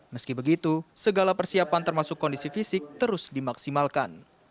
meski begitu segala persiapan termasuk kondisi fisik terus dimaksimalkan